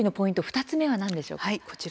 ２つ目は何でしょうか。